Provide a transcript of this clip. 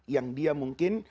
yang dia mungkin